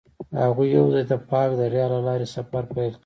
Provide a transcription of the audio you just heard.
هغوی یوځای د پاک دریا له لارې سفر پیل کړ.